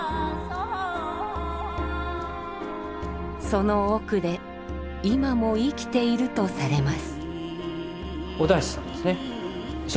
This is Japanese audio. その奥で今も生きているとされます。